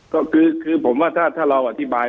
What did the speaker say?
ก็คือผมว่าถ้าเราอธิบาย